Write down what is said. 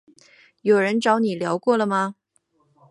有人找你聊过了吗？